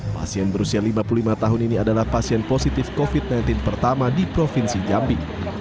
pasien berusia lima puluh lima tahun ini adalah pasien positif covid sembilan belas pertama di provinsi jambi